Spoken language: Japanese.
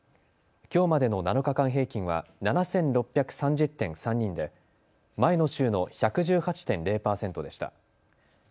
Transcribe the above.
きょうまでの７日間平均は７６３０．３人で前の週の１１８．０％でした。